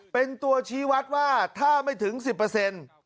เป็นตัวชี้วัดว่าถ้าไม่ถึงสิบเปอร์เซ็นต์